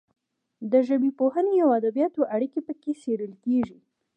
د ژبپوهنې او ادبیاتو اړیکې پکې څیړل کیږي.